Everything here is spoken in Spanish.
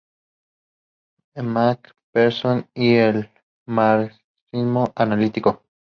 Macpherson y del marxismo analítico.